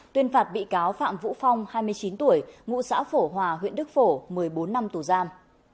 tuyên phạt bị cáo phạm vũ phong hai mươi chín tuổi ngụ xã phổ hòa huyện đức phổ một mươi bốn năm tù giam